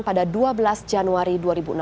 pada dua belas januari dua ribu enam belas